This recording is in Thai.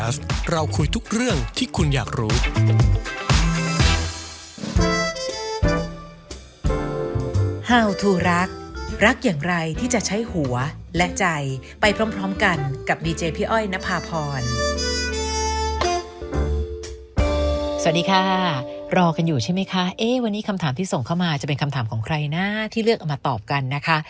สวัสดีค่ะรอกันอยู่ใช่ไหมคะวันนี้คำถามที่ส่งเข้ามาจะเป็นคำถามของใครนะที่เลือกเอามาตอบกันนะคะ